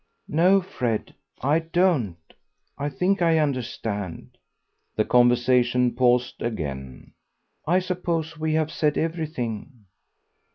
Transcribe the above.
"No, Fred, I don't. I think I understand." The conversation paused again. "I suppose we have said everything."